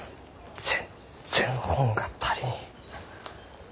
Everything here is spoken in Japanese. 全然本が足りん。